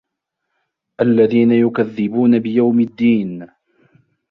الَّذِينَ يُكَذِّبُونَ بِيَوْمِ الدِّينِ